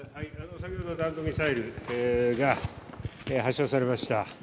先ほど弾道ミサイルが発射されました。